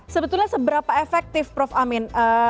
sebetulnya seberapa efektif prof amin